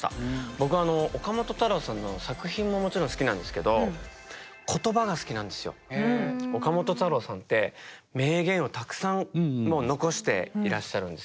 僕はあの岡本太郎さんの作品ももちろん好きなんですけど岡本太郎さんって名言をたくさん残していらっしゃるんですよね。